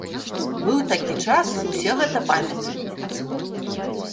Быў такі час, усе гэта памятаюць.